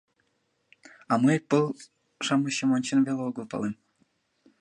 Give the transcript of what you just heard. — А мый пыл-шамычым ончен веле огыл палем.